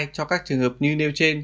cho các trường hợp như nêu trên